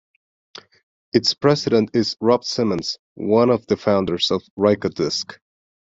Its president is Rob Simonds, one of the founders of Rykodisc.